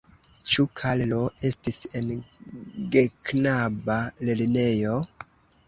Ĉu Karlo estis en geknaba lernejo?